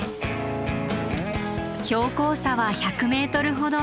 標高差は１００ｍほど。